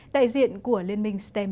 đại diện của liên minh stem